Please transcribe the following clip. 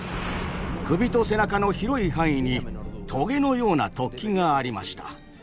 首と背中の広い範囲にトゲのような突起がありました。